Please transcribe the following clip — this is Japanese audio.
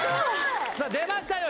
出ましたよ